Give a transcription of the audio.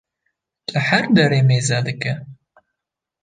li her dere mêze dike.